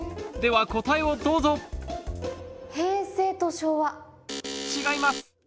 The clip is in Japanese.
では答えをどうぞ違います